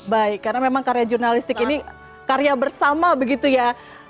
baik karena memang karya jurnalistik ini karya bersama begitu ya